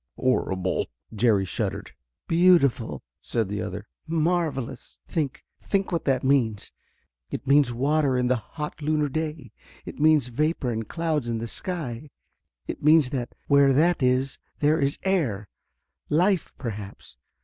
"Horrible!" Jerry shuddered. "Beautiful," said the other. "Marvellous! Think, think what that means. It means water in the hot lunar day. It means vapor and clouds in the sky. It means that where that is there is air life, perhaps.